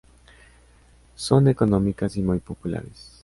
Son económicas y muy populares.